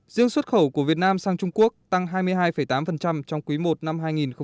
riêng xuất khẩu của việt nam sang trung quốc tăng hai mươi hai tám trong quý i năm hai nghìn hai mươi